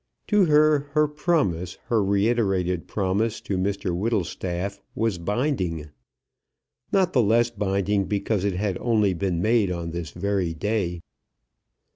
To her her promise, her reiterated promise, to Mr Whittlestaff was binding, not the less binding because it had only been made on this very day.